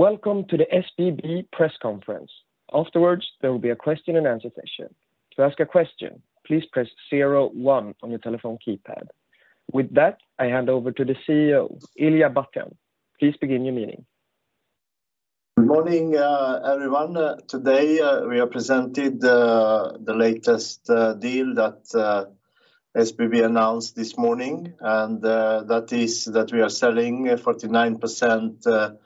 Welcome to the SBB press conference. Afterwards, there will be a question and answer session. To ask a question, please press zero one on your telephone keypad. With that, I hand over to the CEO, Ilija Batljan. Please begin your meeting. Good morning, everyone. Today, we are presented the latest deal that SBB announced this morning. That is that we are selling a 49%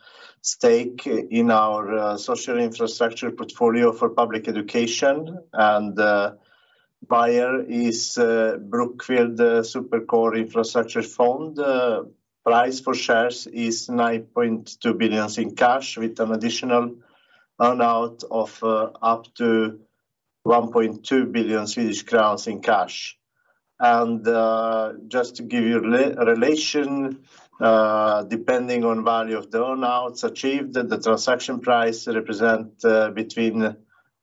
stake in our social infrastructure portfolio for public education. Buyer is Brookfield Super-Core Infrastructure Fund. Price for shares is 9.2 billion in cash with an additional earn-out of up to 1.2 billion Swedish crowns in cash. Just to give you re-relation, depending on value of the earnouts achieved, the transaction price represent between a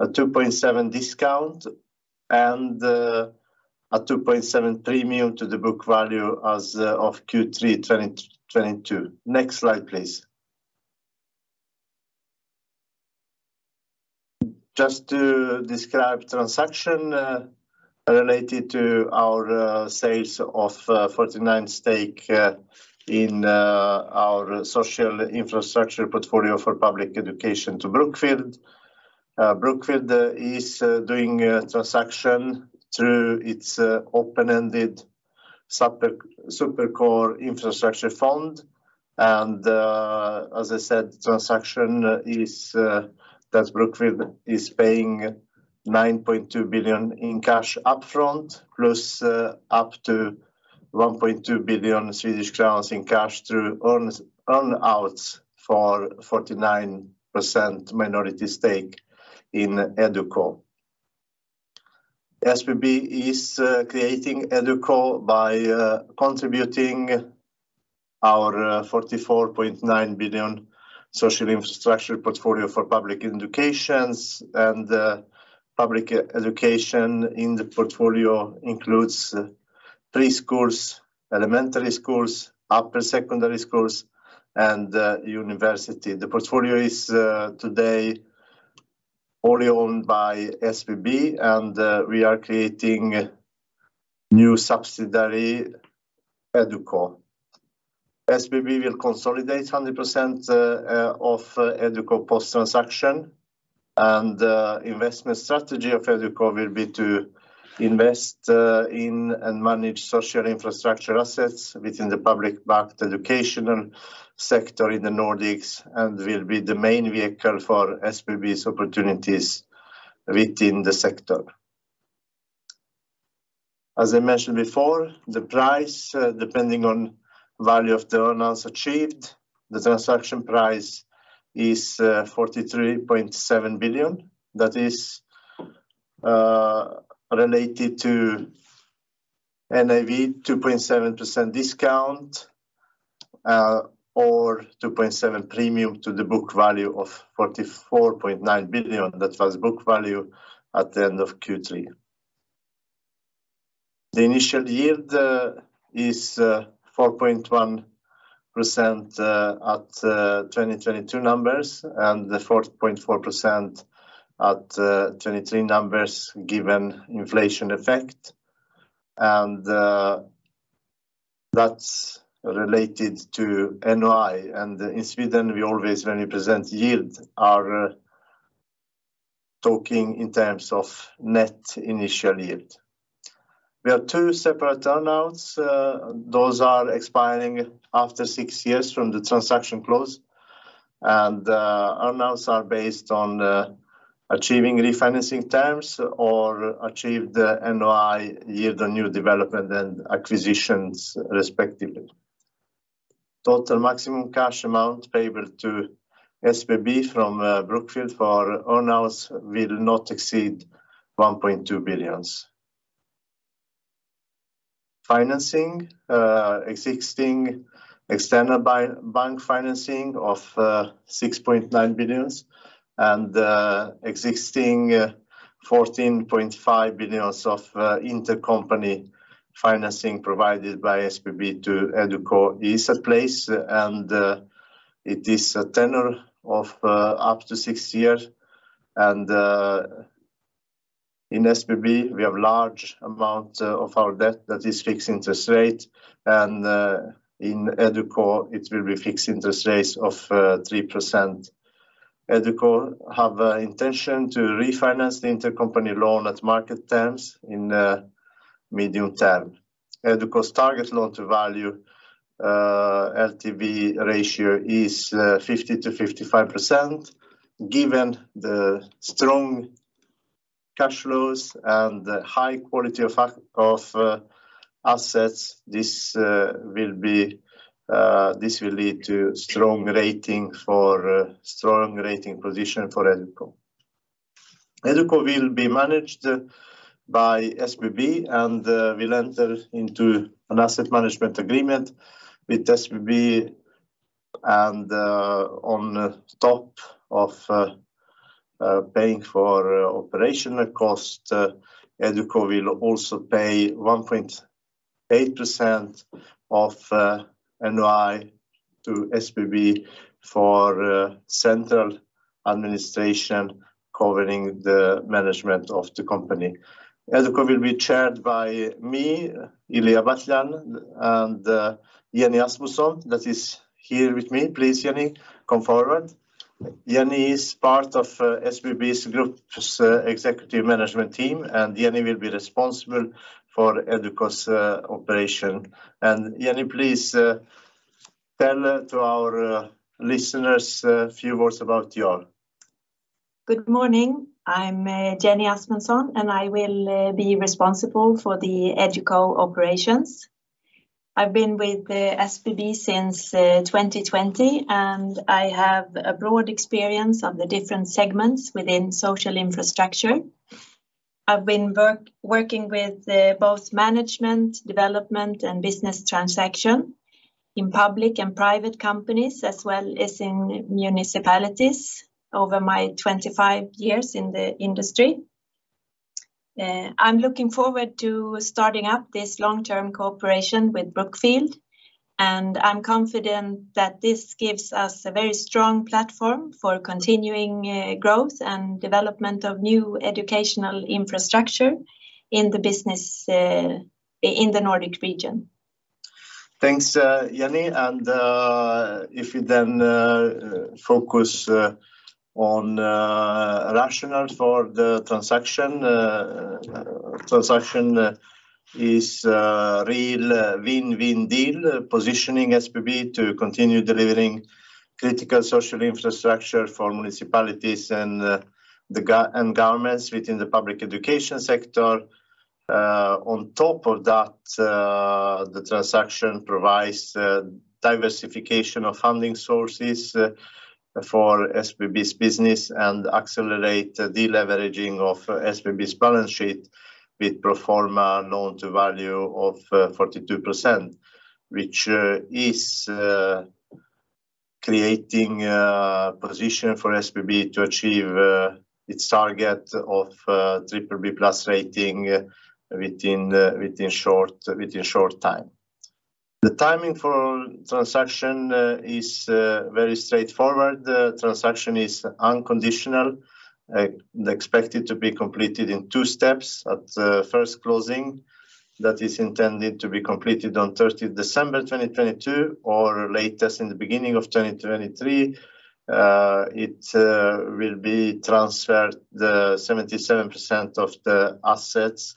2.7% discount and a 2.7% premium to the book value as of Q3 2022. Next slide, please. Just to describe transaction related to our sales of 49% stake in our social infrastructure portfolio for public education to Brookfield. Brookfield is doing a transaction through its open-ended Super-Core Infrastructure Fund. As I said, the transaction is that Brookfield is paying 9.2 billion in cash up front plus up to 1.2 billion Swedish crowns in cash through earnouts for a 49% minority stake in EduCo. SBB is creating EduCo by contributing our 44.9 billion social infrastructure portfolio for public educations. Public education in the portfolio includes preschools, elementary schools, upper secondary schools, and university. The portfolio is today only owned by SBB, and we are creating a new subsidiary, EduCo. SBB will consolidate 100% of EduCo post-transaction and investment strategy of EduCo will be to invest in and manage social infrastructure assets within the public backed educational sector in the Nordics and will be the main vehicle for SBB's opportunities within the sector. As I mentioned before, the price, depending on value of the earnouts achieved, the transaction price is 43.7 billion. That is related to NAV 2.7% discount or 2.7% premium to the book value of 44.9 billion. That was book value at the end of Q3. The initial yield is 4.1% at 2022 numbers and the 4.4% at 2023 numbers, given inflation effect. That's related to NOI. In Sweden, we always when we present yield are talking in terms of net initial yield. We have two separate earnouts. Those are expiring after six years from the transaction close. Earnouts are based on achieving refinancing terms or achieve the NOI yield on new development and acquisitions respectively. Total maximum cash amount payable to SBB from Brookfield for earnouts will not exceed 1.2 billion. Financing existing extended by bank financing of 6.9 billion and existing 14.5 billion of intercompany financing provided by SBB to Educo is in place. It is a tenor of up to six years. In SBB, we have large amount of our debt that is fixed interest rate and in Educo it will be fixed interest rates of 3%. EduCo have a intention to refinance the intercompany loan at market terms in medium term. EduCo's target Loan-to-Value LTV ratio is 50%-55%. Given the strong cash flows and the high quality of assets, this will lead to strong rating position for EduCo. EduCo will be managed by SBB and will enter into an asset management agreement with SBB and on top of paying for operational cost, EduCo will also pay 1.8% of NOI to SBB for central administration covering the management of the company. EduCo will be chaired by me, Ilija Batljan, and Jenny Asmundsson, that is here with me. Please, Jenny, come forward. Jenny is part of SBB's group executive management team, and Jenny will be responsible for EduCo's operation. Jenny, please, tell to our listeners a few words about you all. Good morning. I'm Jenny Asmundsson, and I will be responsible for the EduCo operations. I've been with SBB since 2020, and I have a broad experience of the different segments within social infrastructure. I've been working with the both management, development, and business transaction in public and private companies, as well as in municipalities over my 25 years in the industry. I'm looking forward to starting up this long-term cooperation with Brookfield, and I'm confident that this gives us a very strong platform for continuing growth and development of new educational infrastructure in the business in the Nordic region. Thanks, Jenny. If you then focus on rationale for the transaction is real win-win deal, positioning SBB to continue delivering critical social infrastructure for municipalities and governments within the public education sector. On top of that, the transaction provides diversification of funding sources for SBB's business and accelerate the leveraging of SBB's balance sheet with pro forma loan to value of 42%, which is creating position for SBB to achieve its target of BBB+ rating within short time. The timing for transaction is very straightforward. The transaction is unconditional, expected to be completed in two steps. At the first closing, that is intended to be completed on 30 December 2022 or latest in the beginning of 2023, it will be transferred the 77% of the assets.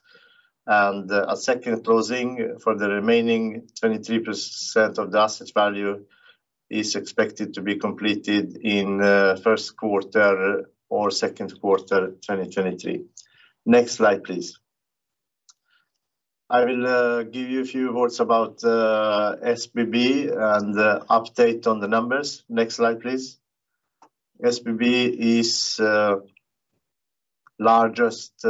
A second closing for the remaining 23% of the assets value is expected to be completed in first quarter or second quarter 2023. Next slide, please. I will give you a few words about SBB and update on the numbers. Next slide, please. SBB is largest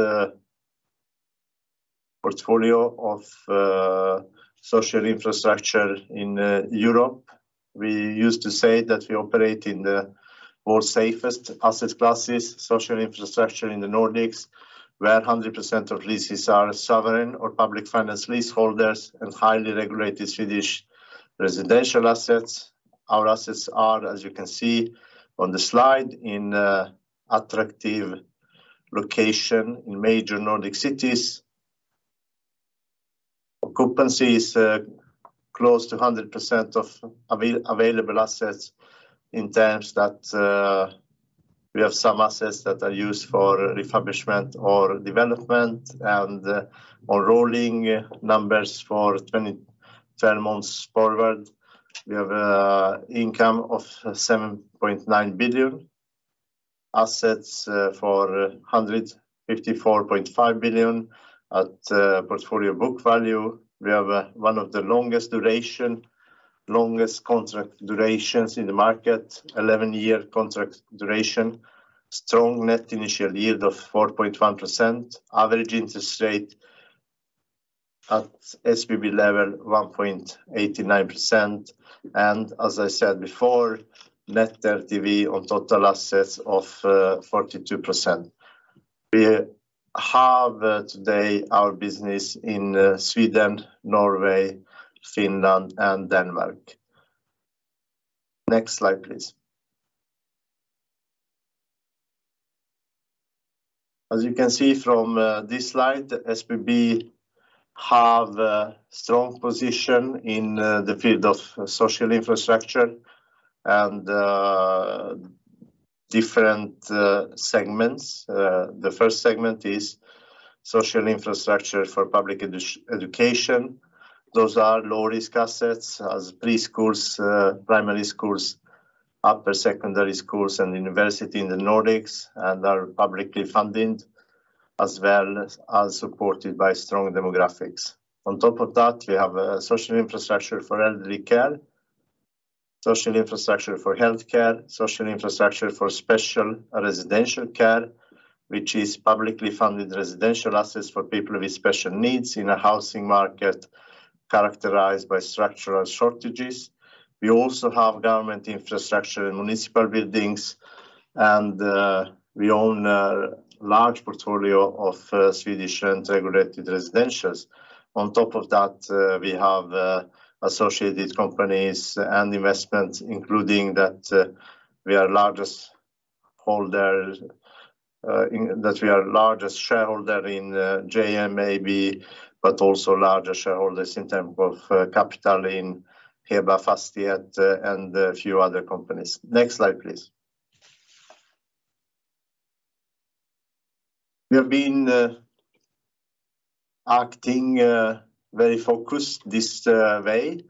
portfolio of social infrastructure in Europe. We used to say that we operate in the most safest asset classes, social infrastructure in the Nordics, where 100% of leases are sovereign or public finance leaseholders and highly regulated Swedish residential assets. Our assets are, as you can see on the slide, in attractive location in major Nordic cities. Occupancy is close to 100% of available assets in terms that we have some assets that are used for refurbishment or development or rolling numbers for 2010 months forward. We have a income of 7.9 billion, assets for 154.5 billion at portfolio book value. We have one of the longest duration, longest contract durations in the market, 11-year contract duration, strong net initial yield of 4.1%, average interest rate at SBB level, 1.89% and, as I said before, net LTV on total assets of 42%. We have today our business in Sweden, Norway, Finland, and Denmark. Next slide, please. As you can see from this slide, SBB have a strong position in the field of social infrastructure and different segments. The first segment is social infrastructure for public education. Those are low-risk assets as preschools, primary schools, upper secondary schools, and university in the Nordics and are publicly funded, as well as supported by strong demographics. On top of that, we have a social infrastructure for elderly care, social infrastructure for healthcare, social infrastructure for special residential care. Which is publicly funded residential assets for people with special needs in a housing market characterized by structural shortages. We also have government infrastructure and municipal buildings, and we own a large portfolio of Swedish rent-regulated residentials. On top of that, we have associated companies and investments, including that we are largest holder in. That we are largest shareholder in JM AB, but also largest shareholders in terms of capital in Heba Fastighets, and a few other companies. Next slide, please. We have been acting very focused this way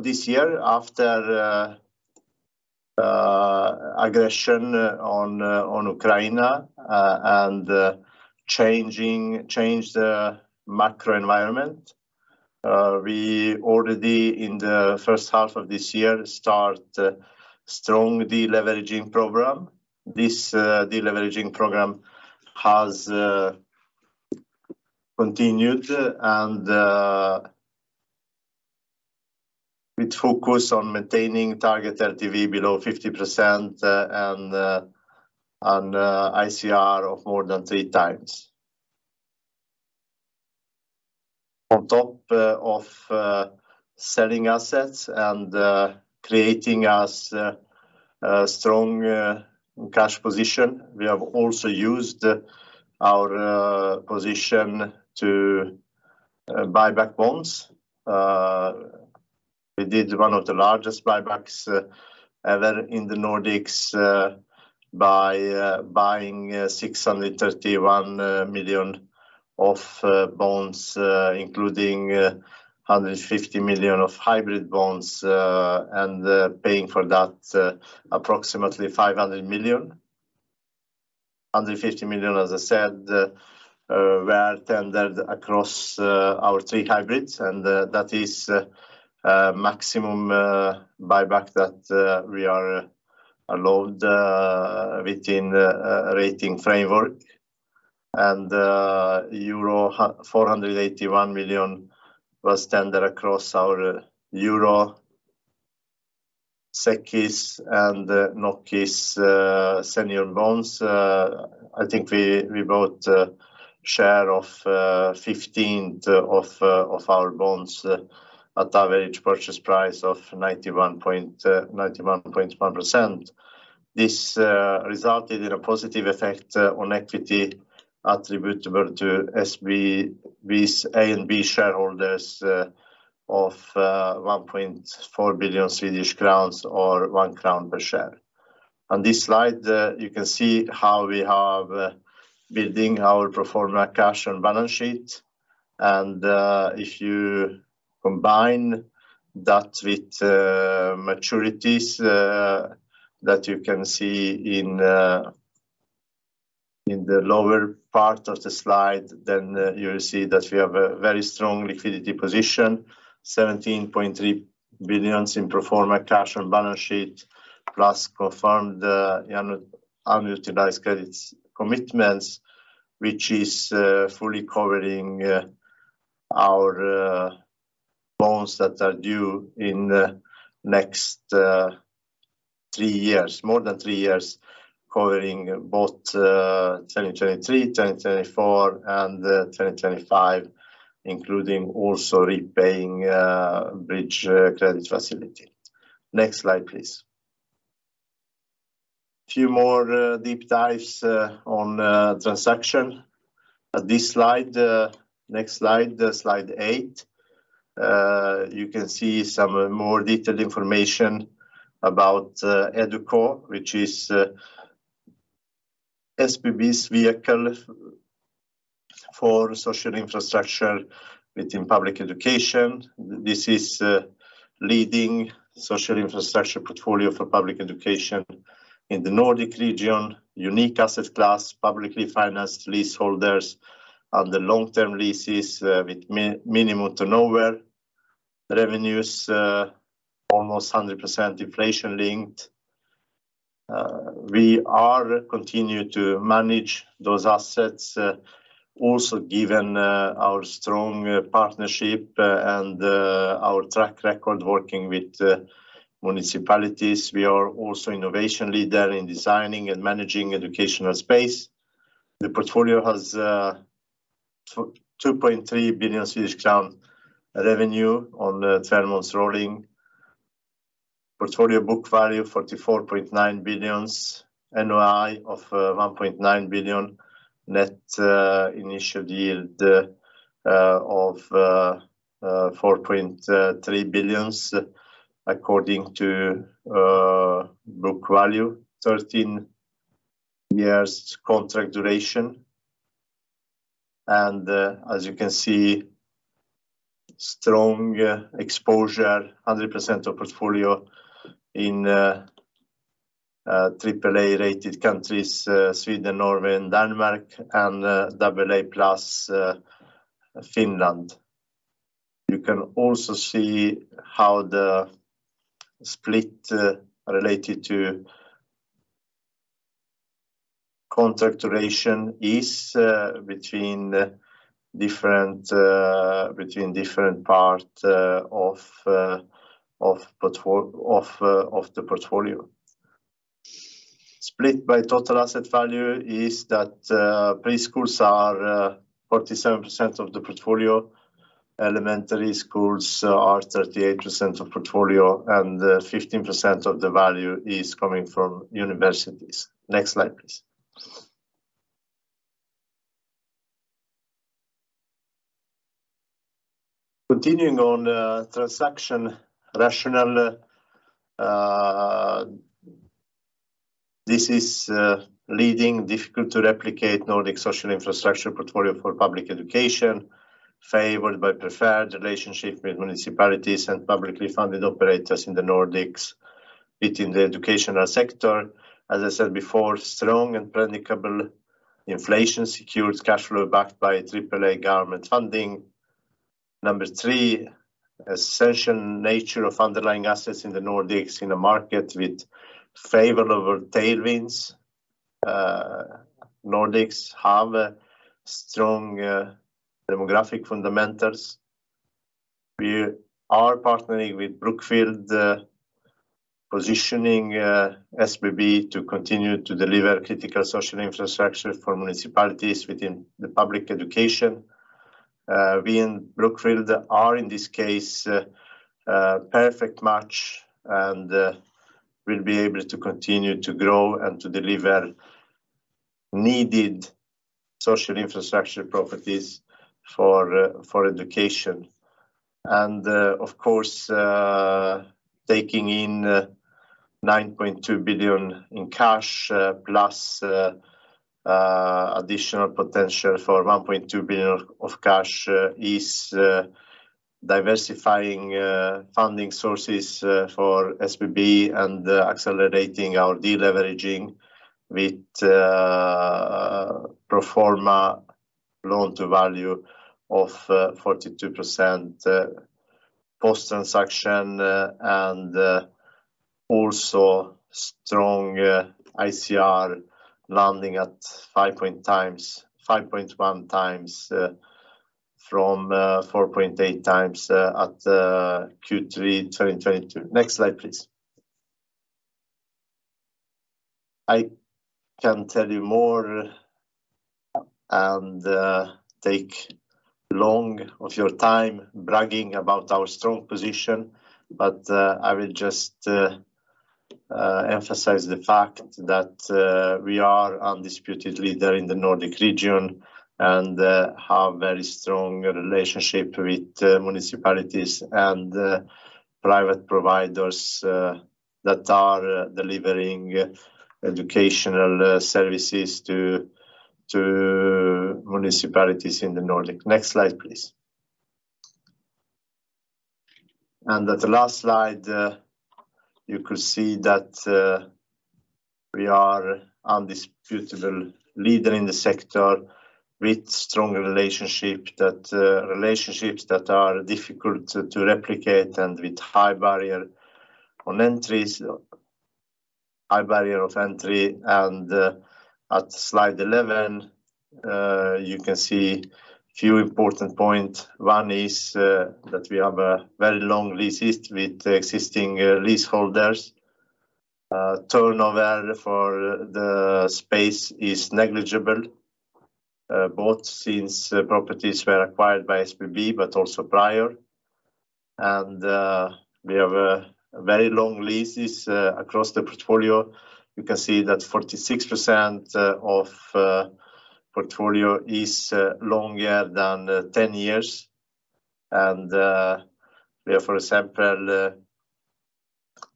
this year after aggression on Ukraine and change the macro environment. We already in the first half of this year start strong deleveraging program. This deleveraging program has continued and with focus on maintaining target LTV below 50% and ICR of more than 3x. On top of selling assets and creating us a strong cash position, we have also used our position to buy back bonds. We did one of the largest buybacks ever in the Nordics by buying 631 million of bonds, including 150 million of hybrid bonds, and paying for that approximately 500 million. 150 million, as I said, were tendered across our three hybrids, and that is maximum buyback that we are allowed within the rating framework. SEK 481 million was tendered across our euro SEKIS and NOKIS senior bonds. I think we bought a share of 15 of our bonds at average purchase price of 91.1%. This resulted in a positive effect on equity attributable to SBB's A and B shareholders of 1.4 billion Swedish crowns or 1 crown per share. On this slide, you can see how we have building our pro forma cash and balance sheet. If you combine that with maturities that you can see in the lower part of the slide, then you'll see that we have a very strong liquidity position, 17.3 billion in pro forma cash and balance sheet, plus confirmed unutilized credits commitments, which is fully covering our bonds that are due in the next three years. More than three years, covering both 2023, 2024 and 2025, including also repaying bridge credit facility. Next slide, please. Few more deep dives on transaction. At this slide, next slide eight, you can see some more detailed information about EduCo, which is SBB's vehicle for social infrastructure within public education. This is a leading social infrastructure portfolio for public education in the Nordic region, unique asset class, publicly financed leaseholders on the long-term leases, with minimum to nowhere. Revenues, almost 100% inflation-linked. We are continue to manage those assets, also given our strong partnership and our track record working with municipalities. We are also innovation leader in designing and managing educational space. The portfolio has 2.3 billion Swedish crown revenue on the 10-months rolling. Portfolio book value, 44.9 billion. NOI of 1.9 billion. Net initial yield of 4.3 billion according to book value. 13 years contract duration. As you can see, strong exposure, 100% of portfolio in AAA-rated countries, Sweden, Norway and Denmark, and AA+ Finland. You can also see how the split related to contract duration is between different part of the portfolio. Split by total asset value is that preschools are 47% of the portfolio, elementary schools are 38% of portfolio, and 15% of the value is coming from universities. Next slide, please. Continuing on, transaction rationale. This is leading difficult to replicate Nordic social infrastructure portfolio for public education, favored by preferred relationship with municipalities and publicly funded operators in the Nordics within the educational sector. As I said before, strong and predictable inflation-secured cash flow backed by AAA government funding. Number three, essential nature of underlying assets in the Nordics in a market with favorable tailwinds. Nordics have strong demographic fundamentals. We are partnering with Brookfield, positioning SBB to continue to deliver critical social infrastructure for municipalities within the public education. We and Brookfield are, in this case, a perfect match, and we'll be able to continue to grow and to deliver needed social infrastructure properties for education. Of course, taking in 9.2 billion in cash, plus additional potential for 1.2 billion of cash is diversifying funding sources for SBB and accelerating our deleveraging with pro forma loan to value of 42% post-transaction. And also strong ICR landing at 5.1x from 4.8x at Q3 2022. Next slide, please. I can tell you more and take long of your time bragging about our strong position, but I will just emphasize the fact that we are undisputed leader in the Nordic region and have very strong relationship with municipalities and private providers that are delivering educational services to municipalities in the Nordic. Next slide, please. And at the last slide, you could see that we are undisputable leader in the sector with strong relationships that are difficult to replicate and with high barrier of entry. And at slide 11, you can see few important point. One is that we have a very long leases with existing leaseholders. Turnover for the space is negligible, both since properties were acquired by SBB but also prior. We have very long leases across the portfolio. You can see that 46% of portfolio is longer than 10 years. We have, for example,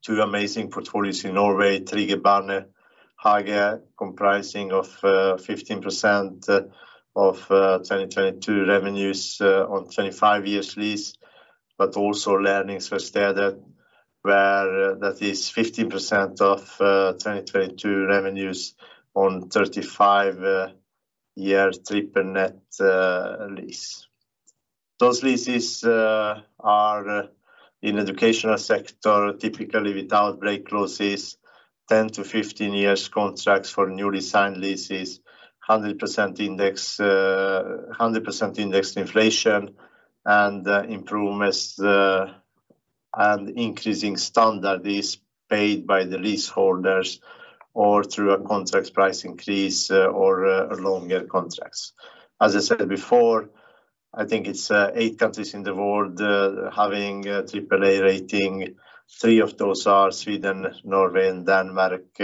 two amazing portfolios in Norway, Trygge Barnehager, comprising of 15% of 2022 revenues on 25 years lease, but also Læringsverkstedet, where that is 50% of 2022 revenues on 35-year triple net lease. Those leases are in educational sector, typically without break clauses, 10-15 years contracts for newly signed leases, 100% index, 100% indexed inflation and improvements, and increasing standard is paid by the leaseholders or through a contract price increase, or longer contracts. As I said before, I think it's eight countries in the world having AAA rating. Three of those are Sweden, Norway, and Denmark,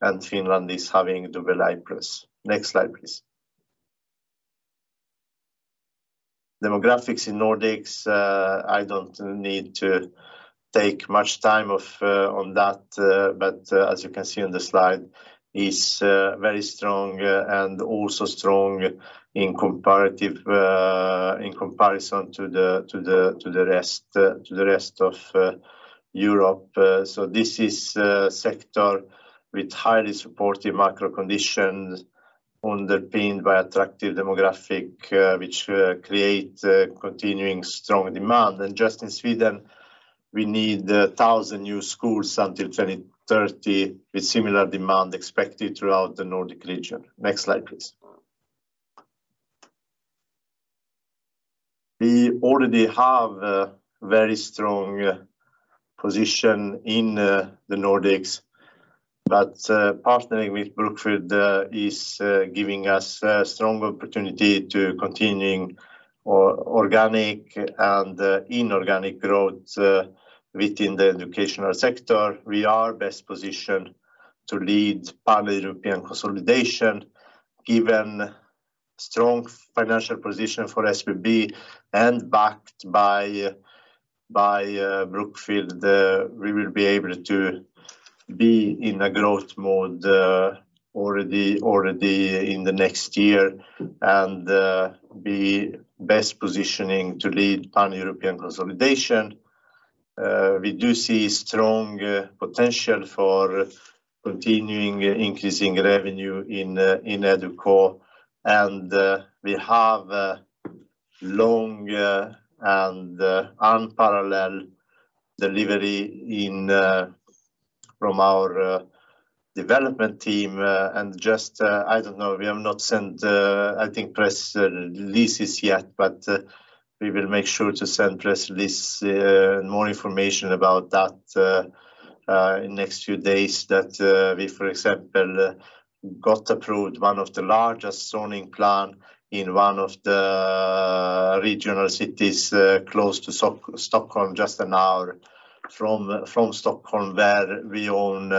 and Finland is having AA+. Next slide, please. Demographics in Nordics, I don't need to take much time of on that, but as you can see on the slide is very strong and also strong in comparative in comparison to the rest to the rest of Europe. This is a sector with highly supportive macro conditions underpinned by attractive demographic, which create continuing strong demand. Just in Sweden, we need 1,000 new schools until 2030, with similar demand expected throughout the Nordic region. Next slide, please. We already have a very strong position in the Nordics, partnering with Brookfield is giving us a strong opportunity to continuing organic and inorganic growth within the educational sector. We are best positioned to lead pan-European consolidation. Given strong financial position for SBB and backed by Brookfield, we will be able to be in a growth mode already in the next year and be best positioning to lead pan-European consolidation. We do see strong potential for continuing increasing revenue in EduCo. We have long and unparalleled delivery from our development team. Just, I don't know, we have not sent, I think press releases yet, but we will make sure to send press release and more information about that in next few days that we, for example, got approved one of the largest zoning plan in one of the regional cities close to Stockholm, just an hour from Stockholm, where we own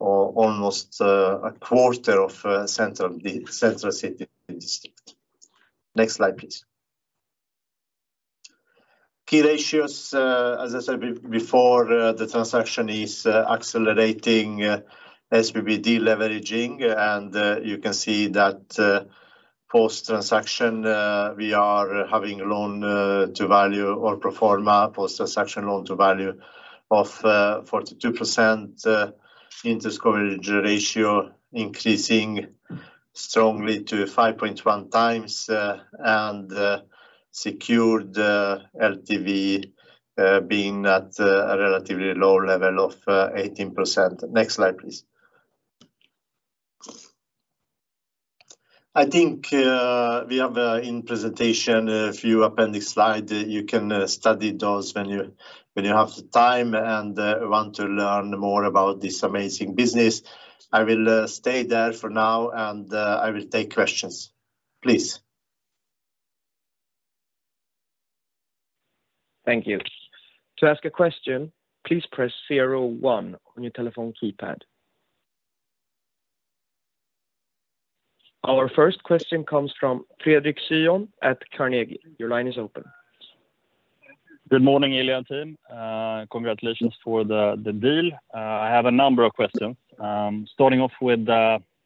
almost a quarter of central city district. Next slide, please. Key ratios. As I said before, the transaction is accelerating SBB deleveraging. You can see that post-transaction, we are having loan to value or pro forma post-transaction loan to value of 42%, interest coverage ratio increasing strongly to 5.1x, and secured LTV being at a relatively low level of 18%. Next slide, please. I think we have in presentation a few appendix slide. You can study those when you, when you have the time and want to learn more about this amazing business. I will stay there for now, and I will take questions. Please. Thank you. To ask a question, please press zero one on your telephone keypad. Our first question comes from Fredrik Cyon at Carnegie. Your line is open. Good morning, Ilija and team. Congratulations for the deal. I have a number of questions, starting off with,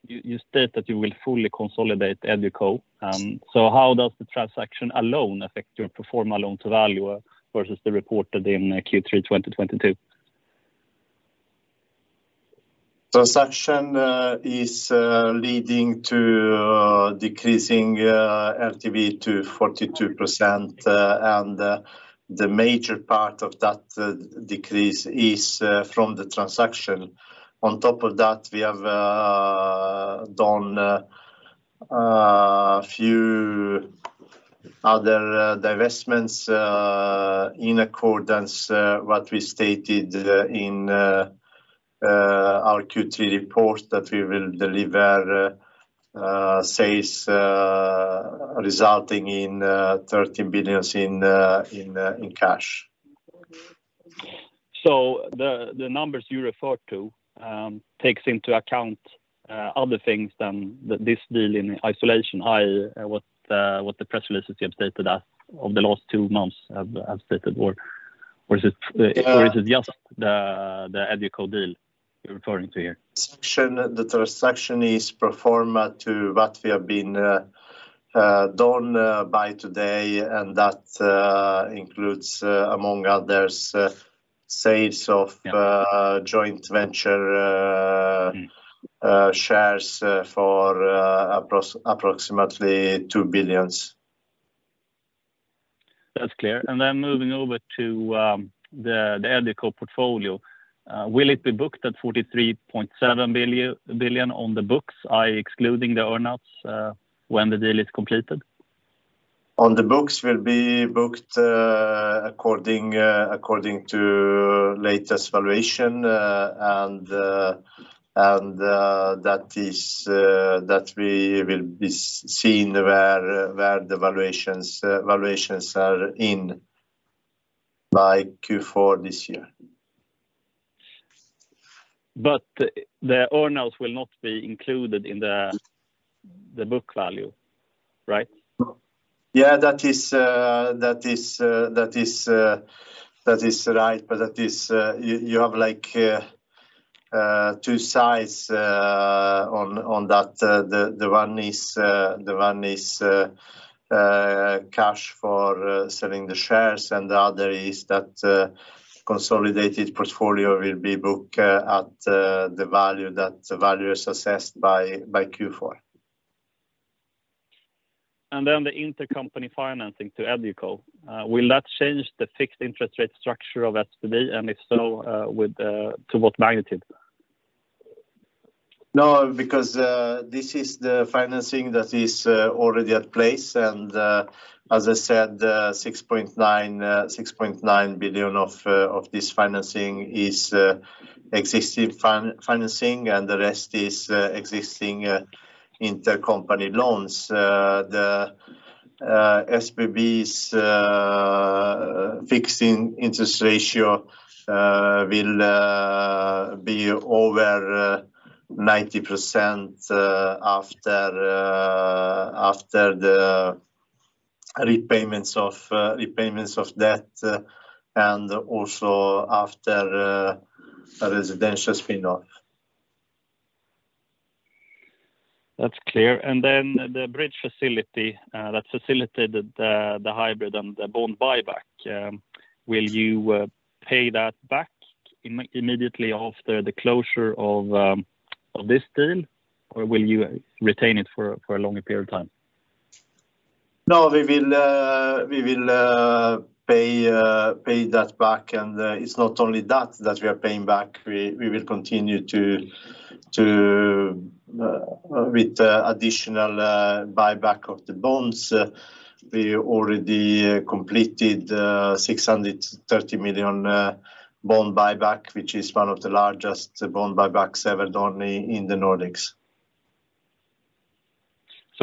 you state that you will fully consolidate EduCo. How does the transaction alone affect your pro forma loan to value versus the reported in Q3 2022? Transaction is leading to decreasing LTV to 42%. The major part of that decrease is from the transaction. On top of that, we have done a few other divestments in accordance what we stated in our Q3 report, that we will deliver sales resulting in 13 billion in cash. The numbers you refer to, takes into account other things than this deal in isolation. What the press releases you have stated at, over the last two months have stated or is it? Uh- Is it just the EduCo deal you're referring to here? The transaction is pro forma to what we have been done by today, and that includes among others. Yeah joint venture Mm shares, for approximately SEK 2 billion. That's clear. Then moving over to the EduCo portfolio, will it be booked at 43.7 billion on the books i.e. excluding the earn-outs, when the deal is completed? On the books will be booked according to latest valuation. That is that we will be seeing where the valuations are in by Q4 this year. The earn-outs will not be included in the book value, right? Yeah. That is right. That is, you have, like, two sides on that. The one is cash for selling the shares, and the other is that consolidated portfolio will be book at the value that the value is assessed by Q4. The intercompany financing to EduCo, will that change the fixed interest rate structure of SBB, and if so, to what magnitude? No, because this is the financing that is already at place. As I said, 6.9 billion of this financing is existing financing, and the rest is existing intercompany loans. The SBB's fixed in-interest ratio will be over 90% after the repayments of debt and also after a residential spin-off. That's clear. The bridge facility, that facilitated the hybrid and the bond buyback, will you pay that back immediately after the closure of this deal? Will you retain it for a longer period of time? No, we will pay that back. It's not only that we are paying back. We will continue with additional buyback of the bonds. We already completed 630 million bond buyback, which is one of the largest bond buybacks ever done in the Nordics.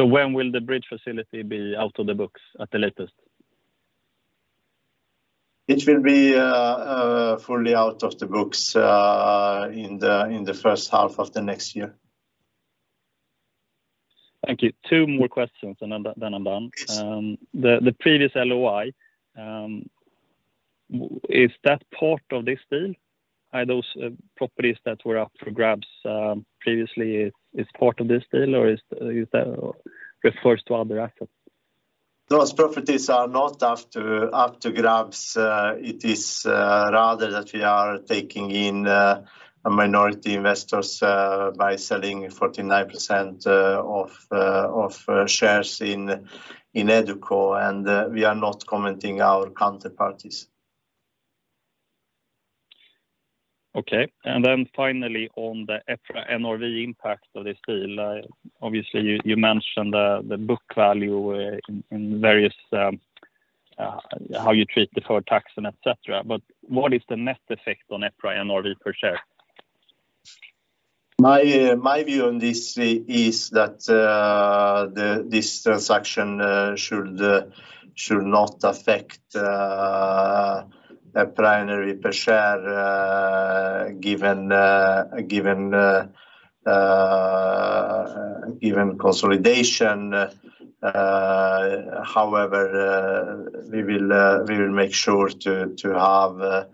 When will the bridge facility be out of the books at the latest? It will be fully out of the books in the first half of the next year. Thank you. Two more questions, and then I'm done. Yes. The previous LOI, is that part of this deal? Are those properties that were up for grabs previously is part of this deal, or you said refers to other assets? Those properties are not up to grabs. It is rather that we are taking in minority investors by selling 49% of shares in EduCo. We are not commenting our counterparties. Okay. Finally on the EPRA NAV impact of this deal. Obviously you mentioned the book value, in various, how you treat the pre-tax and et cetera. What is the net effect on EPRA NAV per share? My view on this is that this transaction should not affect EPRA NAV per share given consolidation. However, we will make sure to have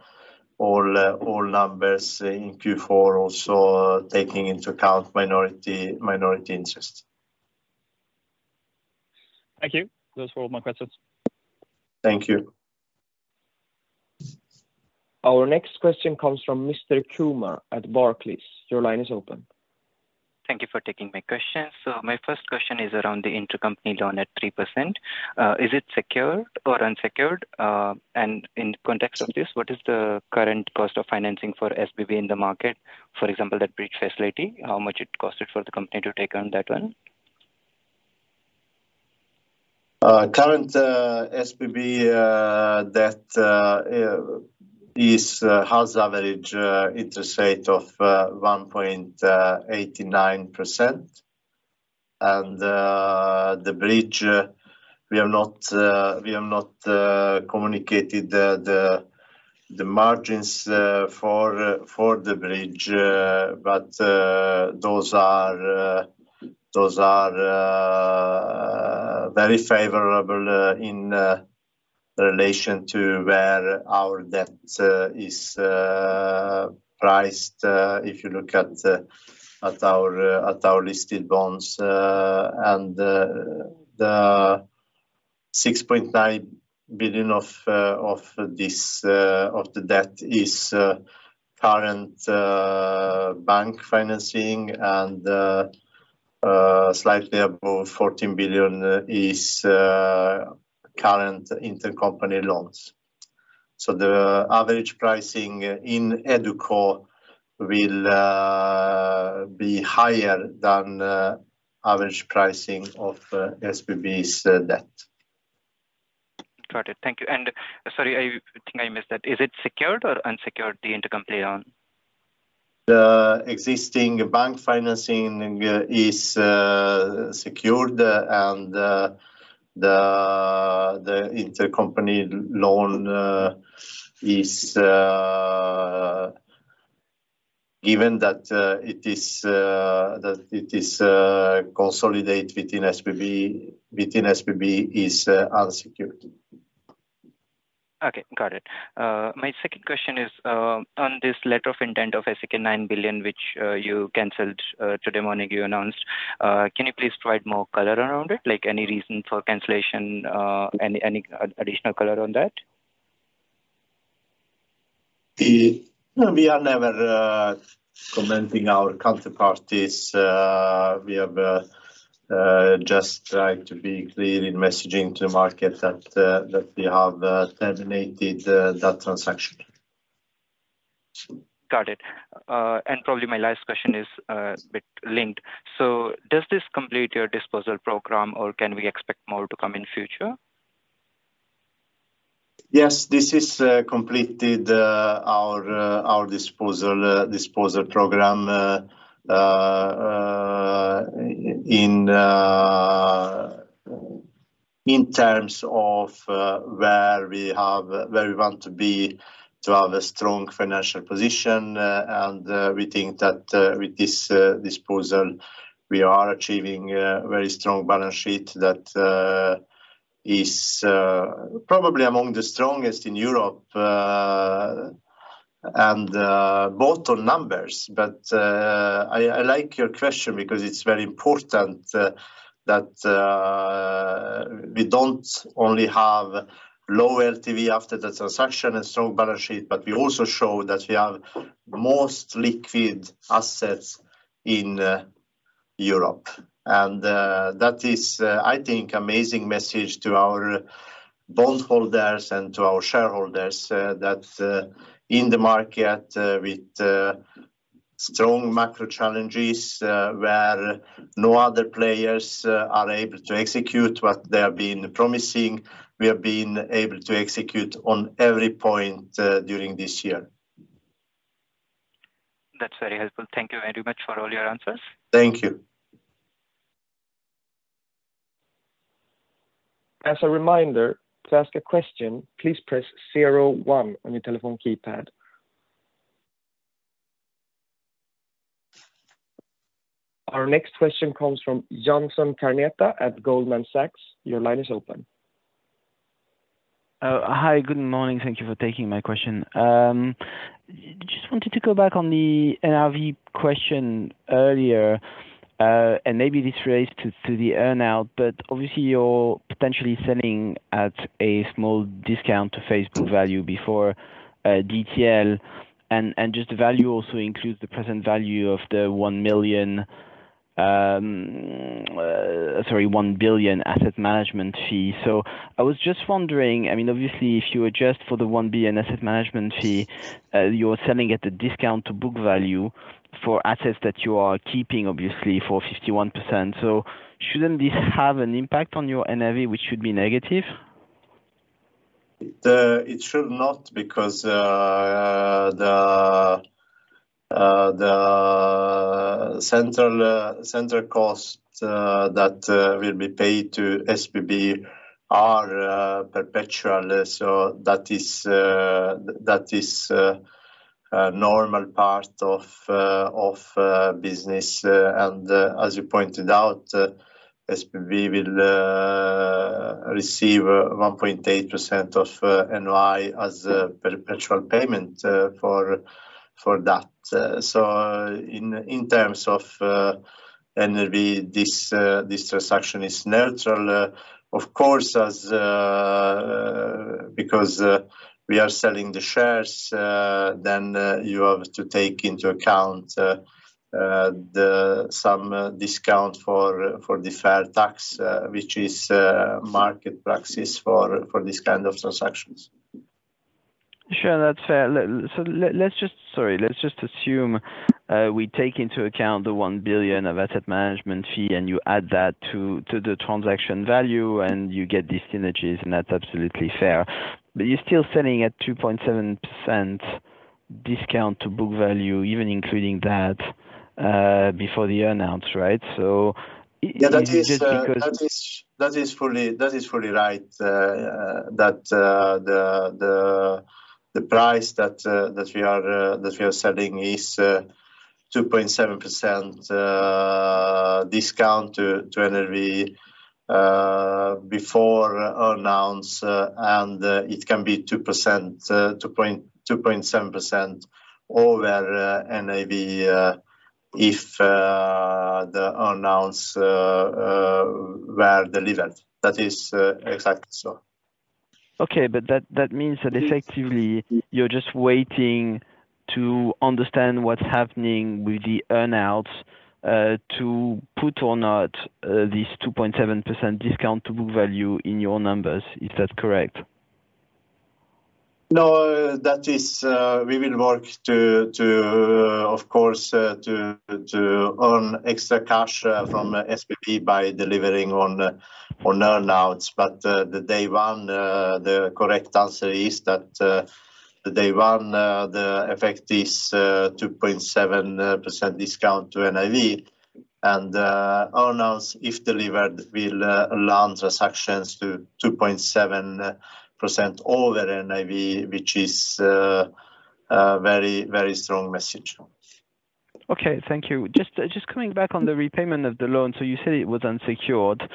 all numbers in Q4 also taking into account minority interest. Thank you. Those were all my questions. Thank you. Our next question comes from Krishan Kumar at Barclays. Your line is open. Thank you for taking my question. My first question is around the intercompany loan at 3%. Is it secured or unsecured? In context of this, what is the current cost of financing for SBB in the market? For example, that bridge facility, how much it costed for the company to take on that one? Current SBB that is has average interest rate of 1.89%. The bridge, we have not communicated the margins for the bridge. Those are very favorable in relation to where our debt is priced if you look at our listed bonds. The 6.9 billion of the debt is current bank financing, and slightly above 14 billion is current intercompany loans. The average pricing in Educo will be higher than average pricing of SBB's debt. Got it. Thank you. Sorry, I think I missed that. Is it secured or unsecured, the intercompany loan? The existing bank financing is secured, and the intercompany loan is. Given that it is consolidate within SBB, is unsecured. Okay, got it. My second question is on this letter of intent of SEK 9 billion, which you canceled today morning you announced. Can you please provide more color around it? Like any reason for cancellation, additional color on that? We are never commenting our counterparties. We have just like to be clear in messaging to the market that we have terminated that transaction. Got it. Probably my last question is, bit linked. Does this complete your disposal program, or can we expect more to come in future? Yes. This is completed our disposal program in terms of where we want to be to have a strong financial position. We think that with this disposal, we are achieving a very strong balance sheet that is probably among the strongest in Europe, and both on numbers. I like your question because it's very important that we don't only have low LTV after the transaction and strong balance sheet, but we also show that we have the most liquid assets in Europe. That is, I think, amazing message to our bondholders and to our shareholders, that in the market, with strong macro challenges, where no other players are able to execute what they have been promising, we have been able to execute on every point during this year. That's very helpful. Thank you very much for all your answers. Thank you. As a reminder, to ask a question, please press zero-one on your telephone keypad. Our next question comes from Jonathan Kownator at Goldman Sachs. Your line is open. Oh, hi. Good morning. Thank you for taking my question. Just wanted to go back on the NAV question earlier, maybe this relates to the earn-out. Obviously you're potentially selling at a small discount to face book value before DTL. Just the value also includes the present value of the 1 million, sorry, 1 billion asset management fee. I was just wondering, I mean, obviously, if you adjust for the 1 billion asset management fee, you're selling at a discount to book value for assets that you are keeping, obviously, for 51%. Shouldn't this have an impact on your NAV, which should be negative? It should not because the central cost that will be paid to SBB are perpetual. That is a normal part of business. And as you pointed out, SBB will receive 1.8% of NOI as a perpetual payment for that. In terms of NAV, this transaction is neutral. Of course as because we are selling the shares, then you have to take into account some discount for deferred tax, which is market practice for this kind of transactions. Sure. That's fair. Let's just assume, we take into account the 1 billion of asset management fee, and you add that to the transaction value, and you get these synergies, and that's absolutely fair. You're still selling at 2.7% discount to book value even including that, before the earn-outs, right? It is just because. Yeah. That is fully right, that the price that we are selling is 2.7% discount to NAV before earn-outs. It can be 2.7% over NAV if the earn-outs were delivered. That is exactly so. Okay. That means that effectively you're just waiting to understand what's happening with the earn-outs, to put or not, this 2.7% discount to book value in your numbers. Is that correct? No, that is. We will work to, of course, to earn extra cash from SBB by delivering on earn-outs. The day one, the correct answer is that the day one, the effect is 2.7% discount to NAV. Earn-outs, if delivered, will allow transactions to 2.7% over NAV, which is a very, very strong message. Okay. Thank you. Just coming back on the repayment of the loan. You said it was unsecured.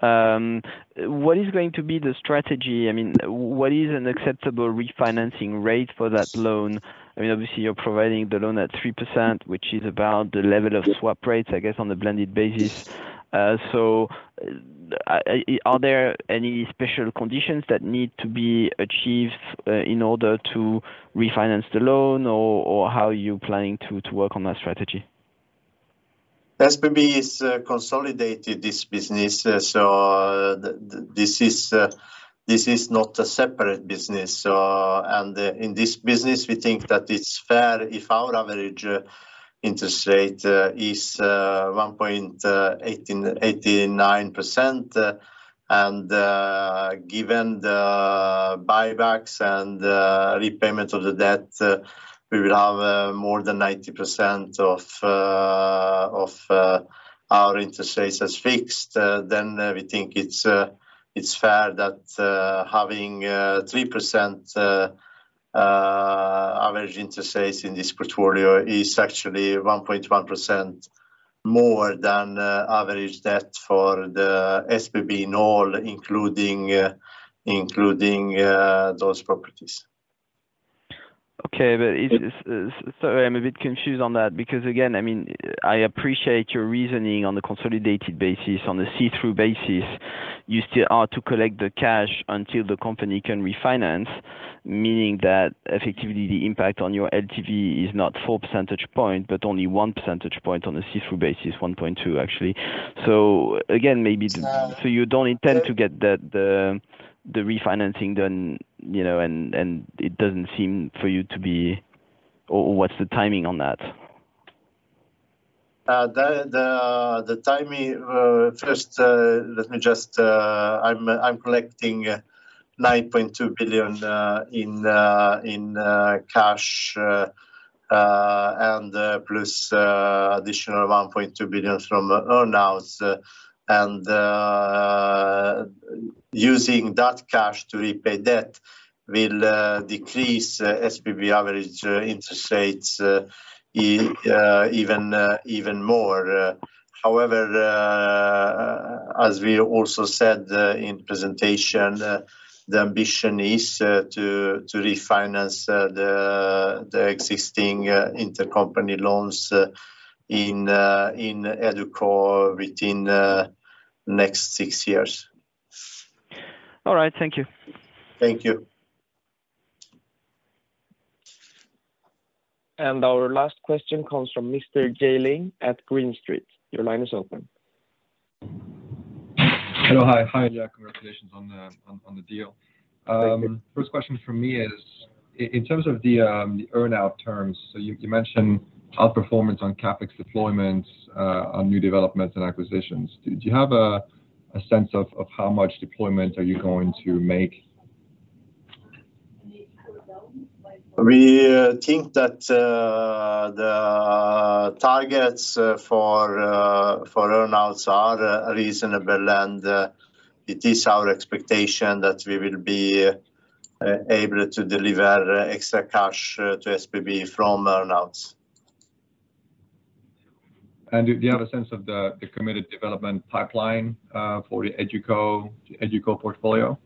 What is going to be the strategy? I mean, what is an acceptable refinancing rate for that loan? I mean, obviously you're providing the loan at 3%, which is about the level of swap rates, I guess, on a blended basis. Are there any special conditions that need to be achieved in order to refinance the loan? How are you planning to work on that strategy? SPV is consolidated this business, so this is not a separate business. In this business, we think that it's fair if our average interest rate is 1.1889%. Given the buybacks and repayment of the debt, we will have more than 90% of our interest rates as fixed. We think it's fair that having 3% average interest rates in this portfolio is actually 1.1% more than average debt for the SPV in all, including those properties. Okay. it Yeah. Sorry, I'm a bit confused on that. I mean, I appreciate your reasoning on the consolidated basis. On the see-through basis, you still are to collect the cash until the company can refinance, meaning that effectively the impact on your LTV is not 4 percentage points but only 1 percentage point. On the see-through basis, 1.2, actually. So- You don't intend to get the refinancing done, you know, and what's the timing on that? The timing, first, let me just. I'm collecting 9.2 billion in cash and plus additional 1.2 billion from earn-outs. Using that cash to repay debt will decrease SPV average interest rates even more. However, as we also said in presentation, the ambition is to refinance the existing intercompany loans in EduCo within the next six years. All right. Thank you. Thank you. Our last question comes from Jay Rhim at Green Street. Your line is open. Hello. Hi. Hi, Ilija. Congratulations on the deal. Thank you. First question from me is in terms of the earn-out terms, so you mentioned outperformance on CapEx deployments on new developments and acquisitions. Do you have a sense of how much deployment are you going to make? We think that, the targets, for earn-outs are reasonable, and it is our expectation that we will be able to deliver extra cash to SPV from earn-outs. Do you have a sense of the committed development pipeline, for the EduCo portfolio?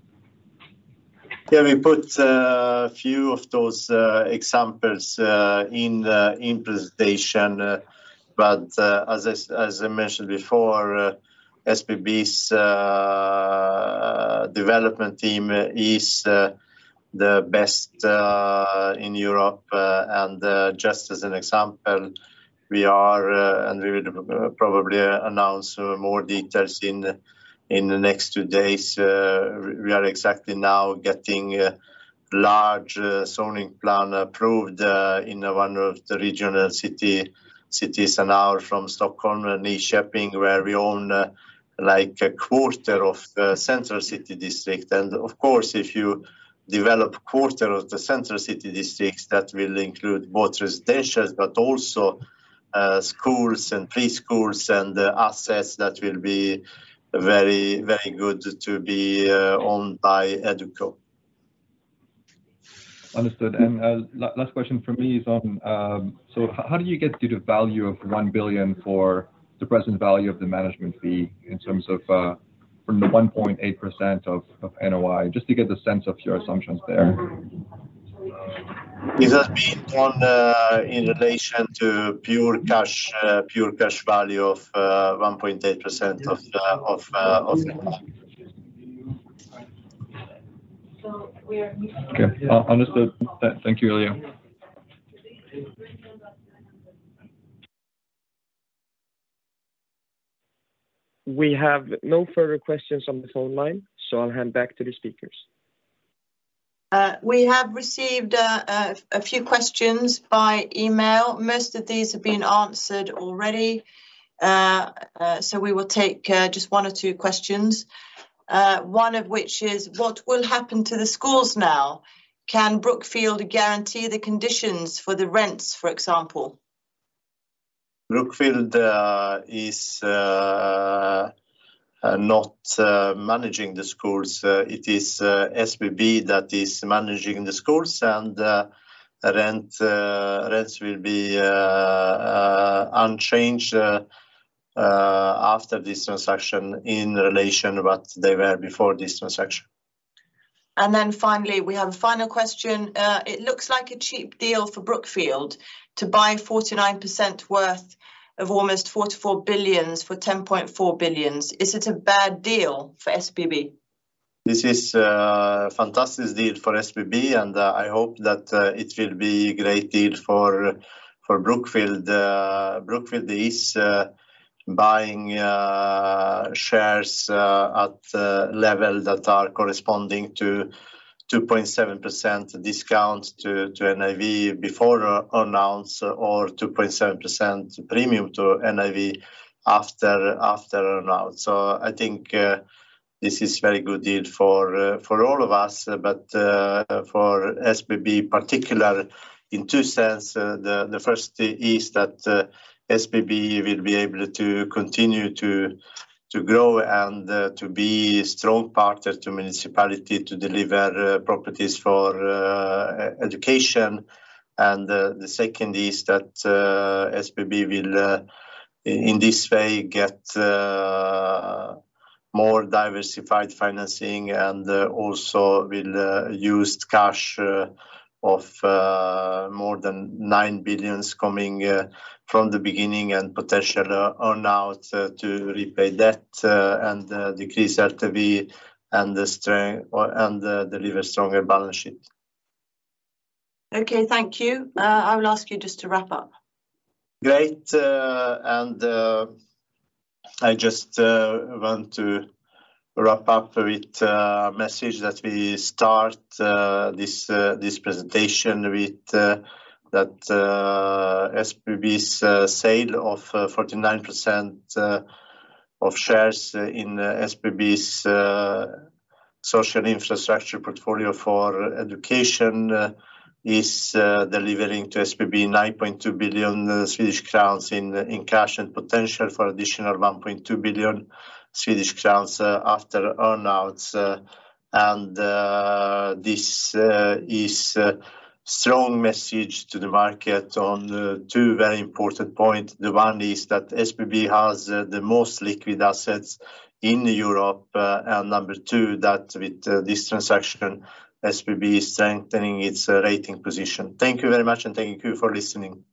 Yeah. We put a few of those examples in the presentation. As I mentioned before, SPV's development team is the best in Europe. And just as an example, we are, and we will probably announce more details in the next two days. We are exactly now getting a large zoning plan approved in ome of the regional cities, one hour from Stockholm, Nyköping, where we own, like, a quarter of the central city district. Of course, if you develop quarter of the central city districts, that will include both residentials, but also schools and preschools and assets that will be very, very good to be owned by EduCo. Understood. last question from me is on, how do you get to the value of 1 billion for the present value of the management fee in terms of, from the 1.8% of NOI? Just to get the sense of your assumptions there. It has been done in relation to pure cash, pure cash value of 1.8% of NOI. Okay. understood. Thank you, Ilija. We have no further questions on the phone line, so I'll hand back to the speakers. We have received a few questions by email. Most of these have been answered already. We will take just one or two questions, one of which is: What will happen to the schools now? Can Brookfield guarantee the conditions for the rents, for example? Brookfield is not managing the schools. It is SPV that is managing the schools. Rents will be unchanged after this transaction in relation what they were before this transaction. Finally, we have a final question. It looks like a cheap deal for Brookfield to buy 49% worth of almost 44 billion for 10.4 billion. Is it a bad deal for SBB? This is fantastic deal for SBB. I hope that it will be great deal for Brookfield. Brookfield is buying shares at a level that are corresponding to 2.7% discount to NAV before earn-out or 2.7% premium to NAV after earn-out. I think this is very good deal for all of us, but for SBB particular in two sense. The first is that SBB will be able to continue to grow and to be strong partner to municipality to deliver properties for e-education. The second is that SBB will in this way, get more diversified financing and also will use cash of more than 9 billion coming from the beginning and potential earn-out to repay debt and decrease LTV and deliver stronger balance sheet. Okay, thank you. I will ask you just to wrap up. Great. I just want to wrap up with a message that we start this presentation with that SBB's sale of 49% of shares in SBB's social infrastructure portfolio for education is delivering to SBB 9.2 billion Swedish crowns in cash and potential for additional 1.2 billion Swedish crowns after earn-outs. This is a strong message to the market on two very important point. The one is that SBB has the most liquid assets in Europe. Number two, that with this transaction, SBB is strengthening its rating position. Thank you very much, and thank you for listening.